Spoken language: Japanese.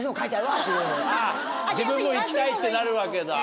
自分も行きたいってなるわけだ。